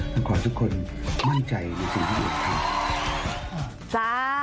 และขอให้ทุกคนมั่งใจในสิ่งที่เราจะทำ